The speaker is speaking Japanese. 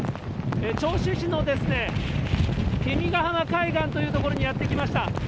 銚子市のきみがはま海岸という所にやって来ました。